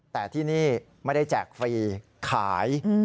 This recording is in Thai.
แต่ที่นี่ไม่ได้แจกฟรีขาย